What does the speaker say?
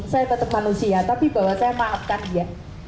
saya tetap manusia tapi bahwa saya maafkan dia